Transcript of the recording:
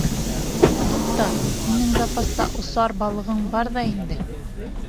Туҡта, һинең запаста осар балығың бар ҙа инде!